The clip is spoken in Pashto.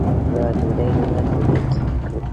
یوه ډوډۍ دوه ډوډۍ کړو.